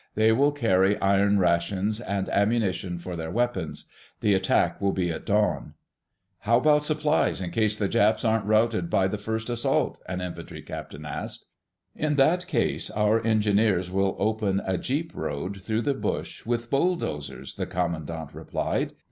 They will carry iron rations, and ammunition for their weapons. The attack will be at dawn." "How about supplies, in case the Japs aren't routed by the first assault?" an infantry captain asked. "In that case, our engineers will open a jeep road through the bush with bulldozers," the commandant replied.